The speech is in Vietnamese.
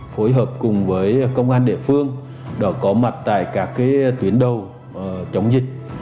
phối hợp cùng với công an địa phương đã có mặt tại các tuyến đầu chống dịch